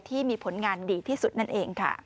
ที่มีผลงานดีที่สุดนั่นเองค่ะ